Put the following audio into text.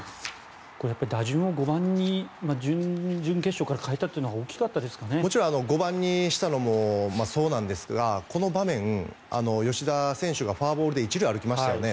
打順を５番に準々決勝から変えたのはもちろん５番にしたのもそうなんですがこの場面、吉田選手がフォアボールで１塁に歩きましたよね。